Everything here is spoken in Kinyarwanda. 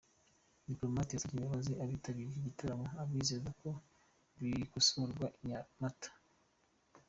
Diplomate yasabye imbabazi abitabiriye iki gitaramo abizeza ko bikosorerwa i Nyamata.